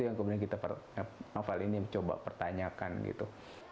yang kemudian kita novel ini coba pertanyakan gitu